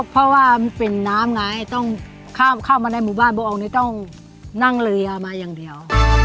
เพราะว่ามันเป็นน้ำไงต้องเข้ามาในหมู่บ้านบัวองค์นี้ต้องนั่งเรือมาอย่างเดียว